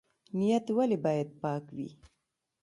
نیت ولې باید پاک وي؟